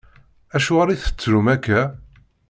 Acuɣer i tettrum akka?